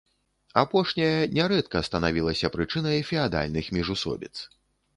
Апошняе нярэдка станавілася прычынай феадальных міжусобіц.